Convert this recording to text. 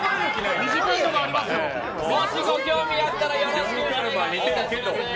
もしご興味あったらよろしくお願いします。